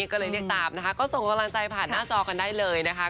ก็เลยเรียกตามนะคะก็ส่งกำลังใจผ่านหน้าจอกันได้เลยนะคะ